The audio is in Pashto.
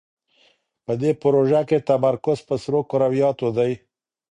په دې پروژه کې تمرکز پر سرو کرویاتو دی.